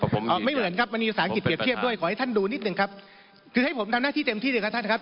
ขอให้ท่านดูนิดนึงครับคือให้ผมทำหน้าที่เต็มที่เลยครับท่านครับ